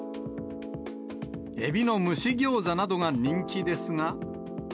エビの蒸しギョーザなどが人気ですが。